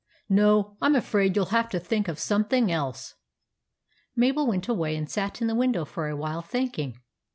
No, I 'm afraid you '11 have to think of something else." Mabel went away and sat in the window for a while, thinking.